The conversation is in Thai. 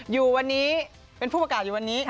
อยู่วันนี้เป็นผู้ประกาศอยู่วันนี้